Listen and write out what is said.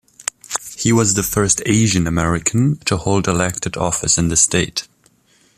He was the first Asian American to hold elected office in the state.